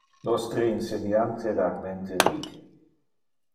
Nostre inseniante rarmente ride.